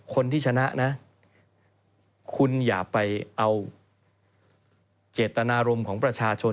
คนที่ชนะนะคุณอย่าไปเอาเจตนารมณ์ของประชาชน